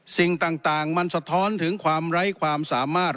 สิ่งต่างมันสะท้อนถึงความไร้ความสามารถ